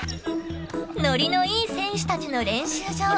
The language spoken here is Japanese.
ノリのいい選手たちの練習場。